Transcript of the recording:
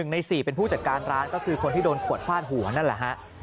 ใน๔เป็นผู้จัดการร้านก็คือคนที่โดนขวดฟาดหัวนั่นแหละฮะ